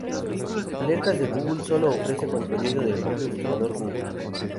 Alertas de Google sólo ofrece contenido del propio buscador Google.